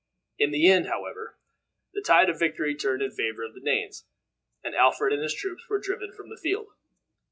In the end, however, the tide of victory turned in favor of the Danes, and Alfred and his troops were driven from the field.